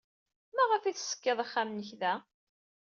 Maɣef ay teṣkid axxam-nnek da?